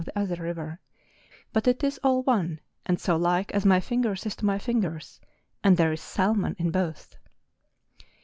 the other river, but it is all one, and so like as my fingers is to my fingers, and there is salmon in both!